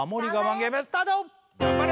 ゲームスタート頑張れ！